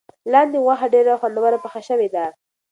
لاندي غوښه ډېره خوندوره پخه شوې ده.